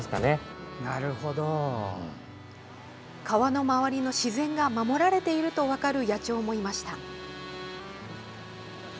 川の周りの自然が守られていると分かる野鳥もいました。